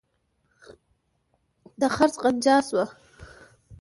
د څرخ غنجا شوه.